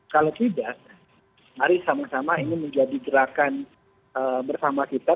kalau tidak mari sama sama ini menjadi gerakan bersama kita